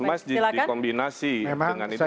masjid dikombinasi dengan insalat